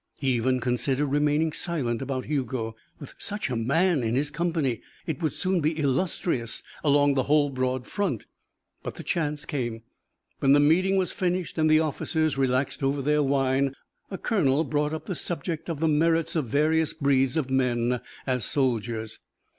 He even considered remaining silent about Hugo. With such a man in his company it would soon be illustrious along the whole broad front. But the chance came. When the meeting was finished and the officers relaxed over their wine, a colonel brought up the subject of the merits of various breeds of men as soldiers.